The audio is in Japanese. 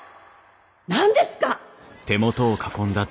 何ですか！